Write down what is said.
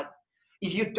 jika anda tidak